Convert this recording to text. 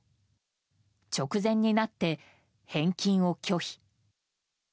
直前になって、返金を拒否。